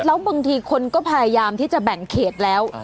แล้วบางทีคนก็พยายามที่จะแบ่งเขตแล้ว